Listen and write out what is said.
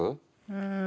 うん？